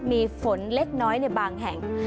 มีฝนเล็กน้อยในบางแห่ง